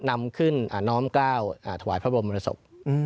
นำขึ้นน้อมก้าวทวายพระบทบรรเมรตสกฯ